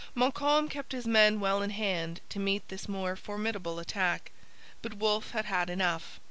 Montcalm kept his men well in hand to meet this more formidable attack. But Wolfe had had enough.